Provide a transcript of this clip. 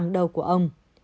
đâu của ông